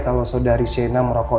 kalau saudari siana merokok